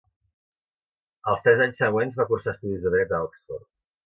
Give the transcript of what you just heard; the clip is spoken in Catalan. Els tres anys següents va cursar estudis de dret en Oxford.